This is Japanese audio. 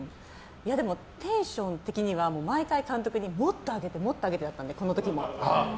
テンション的には毎回、監督にもっと上げてもっと上げてだったのでこの時も。